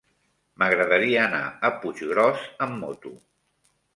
M'agradaria anar a Puiggròs amb moto.